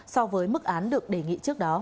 so với mức án được đề nghị trước đó